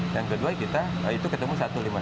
yang kedua kita itu ketemu satu ratus lima puluh